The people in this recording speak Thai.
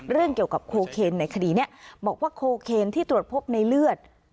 เรื่องเกี่ยวกับโคเคนในคดีนี้บอกว่าโคเคนที่ตรวจพบในเลือด